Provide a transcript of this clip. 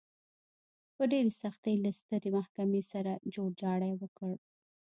په ډېرې سختۍ له سترې محکمې سره جوړجاړی وکړ.